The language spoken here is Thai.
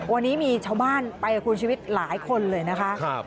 วันนี้มีชาวบ้านไปกับคุณชีวิตหลายคนเลยนะคะ